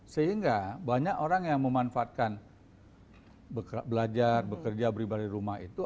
sehingga banyak orang yang memanfaatkan belajar bekerja beribadah di rumah itu